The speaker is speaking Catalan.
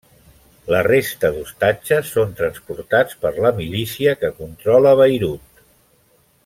La resta d'ostatges són transportats per la milícia que controla Beirut.